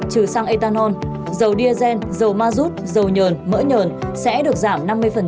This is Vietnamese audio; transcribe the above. trừ xăng etanol dầu diazen dầu mazut dầu nhờn mỡ nhờn sẽ được giảm năm mươi